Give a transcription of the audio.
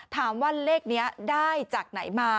ถามว่าเลขนี้ได้จากไหนมา